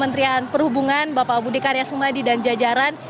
dan perhubungan bapak budi karyasumadi dan jajaran